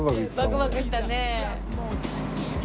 バクバクしたね。